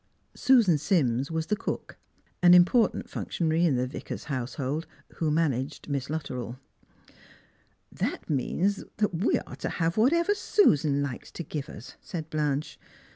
Susan Sims was the cook — an important functionary in the Vicar's household — who managed Miss Luttrell. " That means that we are to have whatever Susan likes to give us !" said Blanche.